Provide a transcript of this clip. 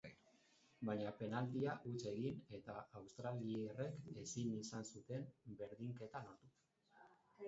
Baina penaltia huts egin eta australiarrek ezin izan zuten berdinketa lortu.